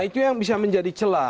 nah itu yang bisa menjadi jelas